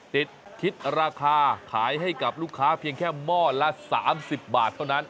คิดราคาขายให้กับลูกค้าเพียงแค่หม้อละ๓๐บาทเท่านั้น